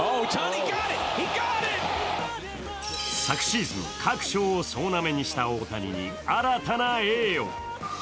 昨シーズン、各賞を総なめにした大谷に新たな栄誉。